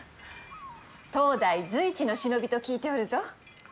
当代随一の忍びと聞いておるぞ。